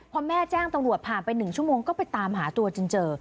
พอแม่แจ้งตำรวจผ่านไป๑ชั่วโมงก็ไปตามหาตัวจนเจอ